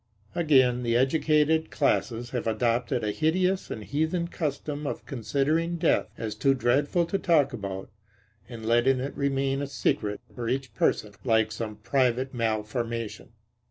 Again, the educated classes have adopted a hideous and heathen custom of considering death as too dreadful to talk about, and letting it remain a secret for each person, like some private malformation.